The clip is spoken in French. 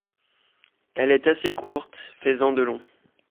Elle est assez courte, faisant de long.